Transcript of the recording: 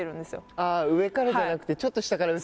ああ、上じゃなくてちょっと下から打つ？